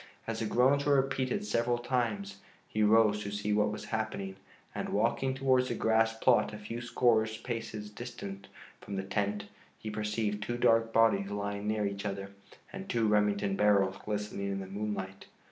As the groans were repeated several times, he rose to see what was happening and, walking towards the grass plot a few score paces distant from the tent, he perceived two dark bodies lying near each other and two Remington barrels glistening in the moonlight.